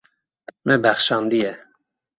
Me bexşandiye.